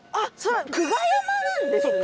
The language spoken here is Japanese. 久我山なんですね？